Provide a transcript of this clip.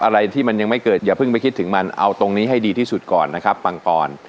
อะไรที่มันยังไม่เกิดอย่าเพิ่งไปคิดถึงมันเอาตรงนี้ให้ดีที่สุดก่อนนะครับปังปอน